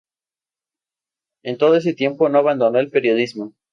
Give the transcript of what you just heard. En todo ese tiempo no abandonó el periodismo.